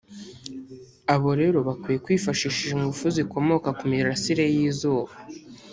abo rero bakwiye kwifashisha ingufu zikomoka ku mirasire y’izuba